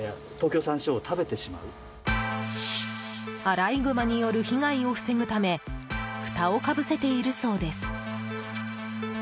アライグマによる被害を防ぐためふたをかぶせているそうです。